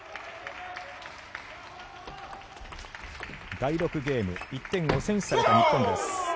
第６ゲーム１点を先取された日本です。